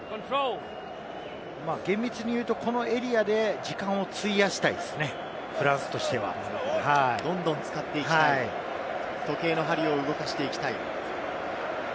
厳密に言うと、このエリアで時間を費やしたいですね、フランスとしては。どんどん使っていきたい、時計の針を動かしていきたい。